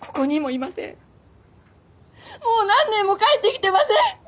もう何年も帰ってきてません！